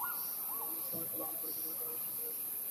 এমন সময়ে কোলাহল করিতে করিতে বসন্ত রায়ের অনুচরগণ ফিরিয়া আসিল।